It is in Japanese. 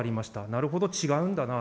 なるほど、違うんだな。